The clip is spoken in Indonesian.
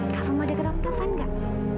kafa mau deketan taufan nggak